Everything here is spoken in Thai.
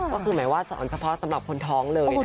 ก็คือหมายว่าสอนเฉพาะสำหรับคนท้องเลยนะคะ